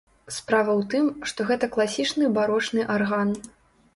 Справа ў тым, што гэта класічны барочны арган.